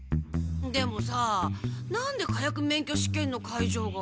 でもさなんで火薬免許試験の会場が。